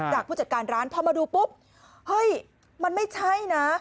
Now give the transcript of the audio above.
ผู้จัดการร้านพอมาดูปุ๊บเฮ้ยมันไม่ใช่นะ